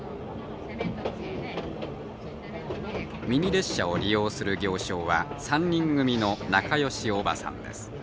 ミニ列車を利用する行商は３人組の仲良しおばさんです。